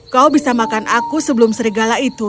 kau bisa makan aku sebelum serigala itu